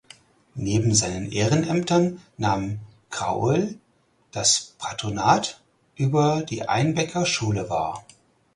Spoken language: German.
Neben seinen Ehrenämtern nahm Crauel das Patronat über die Einbecker Schule wahr.